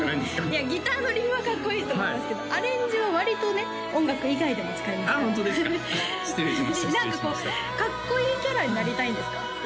いやギターのリフはかっこいいと思いますけどアレンジは割とね音楽以外でも使いますからああホントですか失礼しました何かこうかっこいいキャラになりたいんですか？